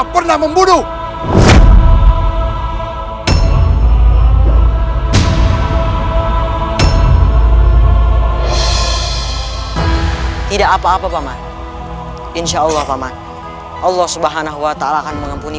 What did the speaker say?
pernah membunuh tidak apa apa paman insyaallah paman allah subhanahu wa ta'ala akan mengampuni